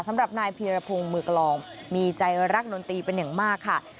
สำหรับนายเพียรพงศ์มือกลองมีใจรักดนตรีเป็นอย่างมากค่ะ